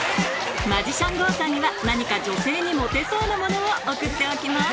マジシャンＧＯさんには何か女性にモテそうなものを送っておきます